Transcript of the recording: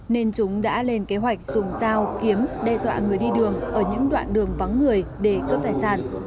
nên chúng đã lên kế hoạch dùng dao kiếm đe dọa người đi đường ở những đoạn đường vắng người để cướp tài sản